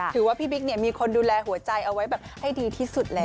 พี่บิ๊กเนี่ยมีคนดูแลหัวใจเอาไว้แบบให้ดีที่สุดแล้ว